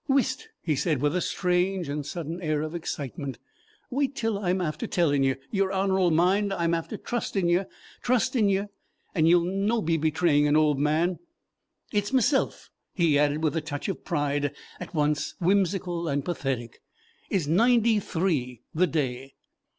"Whist!" he said, with a strange and sudden air of excitement. "Wait till I'm after telling yer. Your honor'll mind I'm after trusting yer; trusting yer, and ye'll no be betraying an old man. It's meself," he added, with a touch of pride at once whimsical and pathetic, "is ninety three the day."